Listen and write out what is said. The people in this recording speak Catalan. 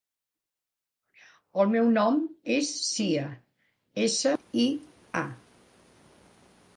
El meu nom és Sia: essa, i, a.